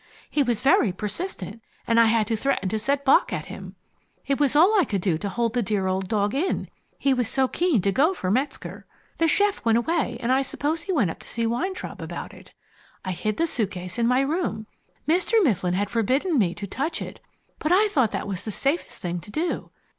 He was very persistent, and I had to threaten to set Bock at him. It was all I could do to hold the dear old dog in, he was so keen to go for Metzger. The chef went away, and I suppose he went up to see Weintraub about it. I hid the suitcase in my room. Mr. Mifflin had forbidden me to touch it, but I thought that the safest thing to do.